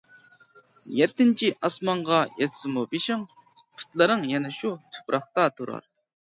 يەتتىنچى ئاسمانغا يەتسىمۇ بېشىڭ، پۇتلىرىڭ يەنە شۇ تۇپراقتا تۇرار.